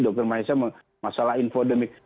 dr mahesha masalah infodermik